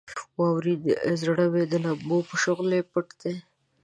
واورین زړه مې د لمبو په شغلې پټ دی.